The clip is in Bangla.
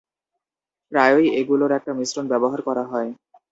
প্রায়ই এগুলোর একটা মিশ্রণ ব্যবহার করা হয়।